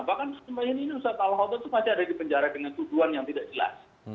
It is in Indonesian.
bahkan selama ini ustadz al khotot itu masih ada di penjara dengan tuduhan yang tidak jelas